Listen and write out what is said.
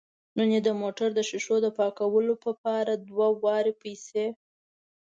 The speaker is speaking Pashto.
نن یې د موټر د ښیښو د پاکولو په پار دوه واره پیسې